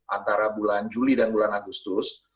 antara bulan juli dan bulan agustus